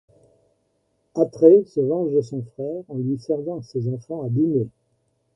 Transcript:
Atrée se venge de son frère en lui servant ses enfants à dîner.